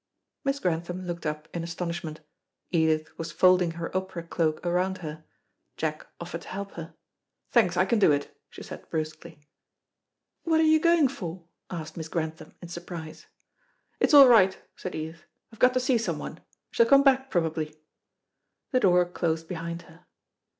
Miss Grantham looked up in astonishment. Edith was folding her opera cloak round her. Jack offered to help her. "Thanks, I can do it," she said brusquely. "What are you going for?" asked Miss Grantham, in surprise. "It's all right," said Edith. "I've got to see someone. I shall come back, probably." The door closed behind her.